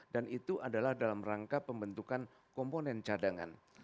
dan itu adalah dalam rangka pembentukan komponen cadangan